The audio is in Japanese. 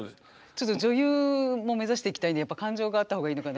ちょっと女優も目指していきたいんでやっぱり感情があった方がいいのかな。